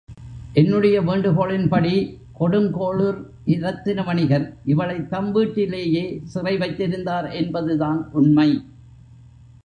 என்னுடைய வேண்டுகோளின்படி கொடுங்கோளுர் இரத்தின வணிகர் இவளைத் தம் வீட்டிலேயே சிறை வைத்திருந்தார் என்பதுதான் உண்மை.